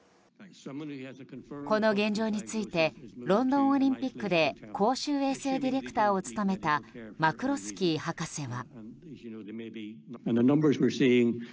この現状についてロンドンオリンピックで公衆衛生ディレクターを務めたマクロスキー博士は。